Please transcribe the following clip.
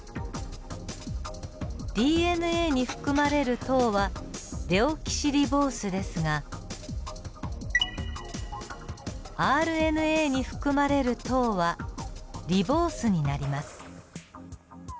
ＤＮＡに含まれる糖はデオキシリボースですがＲＮＡに含まれる糖はリボースになります。